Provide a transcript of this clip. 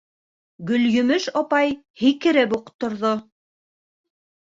- Гөлйемеш апай һикереп үк торҙо.